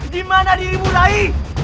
dimana dirimu rai